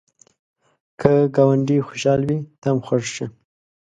که ګاونډی خوشحال وي، ته هم خوښ شه